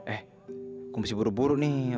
eh aku mesti buru buru nih